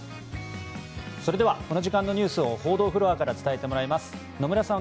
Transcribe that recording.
それではこの時間のニュースを報道フロアから伝えてもらいます野村さん